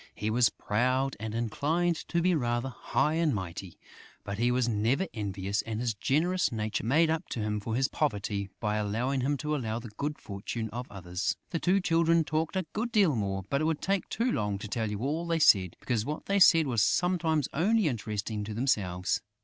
He was proud and inclined to be rather high and mighty; but he was never envious and his generous nature made up to him for his poverty by allowing him to enjoy the good fortune of others. [Illustration: Other Blue Children opened great big books] The two Children talked a good deal more; but it would take too long to tell you all they said, because what they said was sometimes only interesting to themselves.